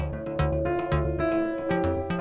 kita langsung berangkat